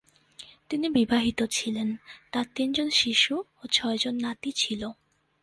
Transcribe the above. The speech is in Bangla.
তিনি বিবাহিত ছিলেন; তাঁর তিনজন শিশু ও ছয়জন নাতি ছিল।